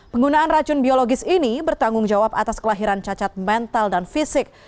penggunaan racun biologis ini bertanggung jawab atas kelahiran cacat mental dan fisik